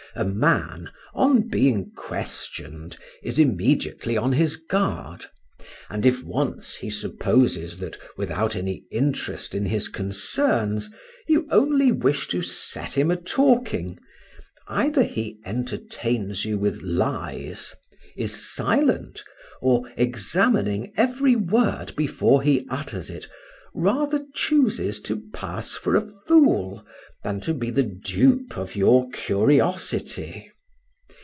A man, on being questioned, is immediately on his guard: and if once he supposes that, without any interest in his concerns, you only wish to set him a talking, either he entertains you with lies, is silent, or, examining every word before he utters it, rather chooses to pass for a fool, than to be the dupe of your curiosity.